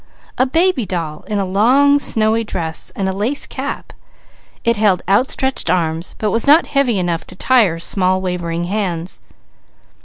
A baby doll in a long snowy dress and a lace cap; it held outstretched arms, but was not heavy enough to tire small wavering hands.